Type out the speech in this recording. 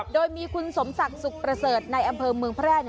โดยมีคุณสมศักดิ์สุขประเสริฐในอำเภอเมืองแพร่